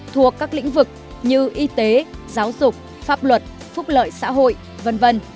thuộc các lĩnh vực như y tế giáo dục pháp luật phúc lợi xã hội v v